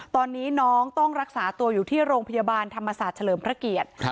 ตอนนี้น้องต้องรักษาตัวอยู่ที่โรงพยาบาลธรรมศาสตร์เฉลิมพระเกียรติ